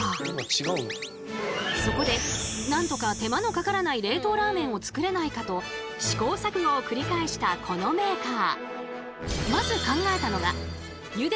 そこでなんとか手間のかからない冷凍ラーメンを作れないかと試行錯誤を繰り返したこのメーカー。